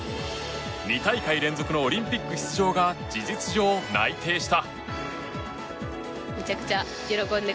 ２大会連続のオリンピック出場が事実上内定した。